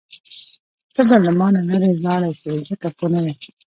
ته به له مانه لرې لاړه شې ځکه پوه نه وې.